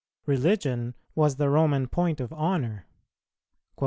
Religion was the Roman point of honour.